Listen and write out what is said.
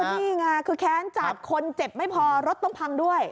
นี่ไงคือแค้นจัดคนเจ็บไม่พอรถต้องพังด้วย